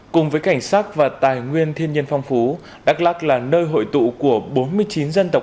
cùng với cảnh sắc và tài nguyên thiên nhiên phong phú đắk lắc là nơi hội tụ của bốn mươi chín dân tộc